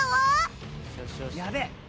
やべえ！